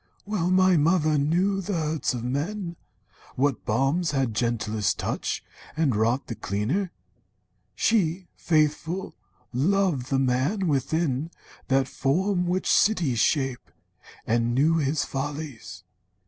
Well my mother knew The hurts of men, what balms had gentlest touch And wrought the cleanlier. She, faithful, loved The man within that form which cities shape, And knew his follies.